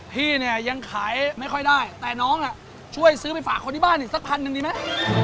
พี่เนี่ยยังขายไม่ค่อยได้แต่น้องช่วยซื้อไปฝากคนที่บ้านอีกสักพันหนึ่งดีไหม